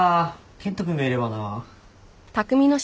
健人君がいればな。